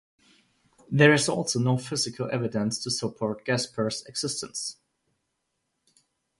There is also no physical evidence to support Gaspar's existence.